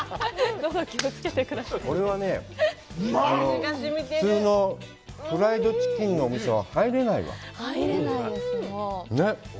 これはね、普通のフライドチキンのお店は入れないわ。ね？